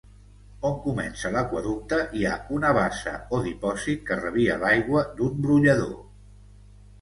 On comença l'aqüeducte hi ha una bassa o dipòsit que rebia l'aigua d'un brollador.